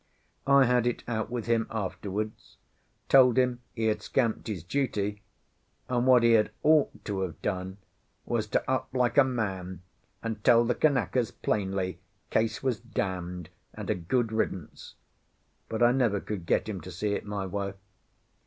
I had it out with him afterwards, told him he had scamped his duty, and what he had ought to have done was to up like a man and tell the Kanakas plainly Case was damned, and a good riddance; but I never could get him to see it my way.